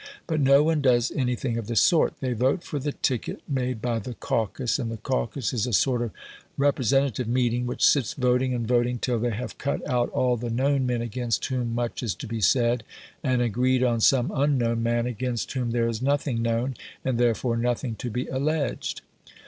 But no one does anything of the sort. They vote for the ticket made by "the caucus," and the caucus is a sort of representative meeting which sits voting and voting till they have cut out all the known men against whom much is to be said, and agreed on some unknown man against whom there is nothing known, and therefore nothing to be alleged.